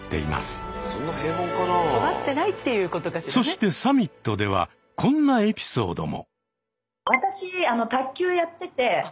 そしてサミットではこんなエピソードも。